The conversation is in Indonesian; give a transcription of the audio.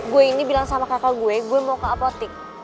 gue ini bilang sama kakak gue gue mau ke apotik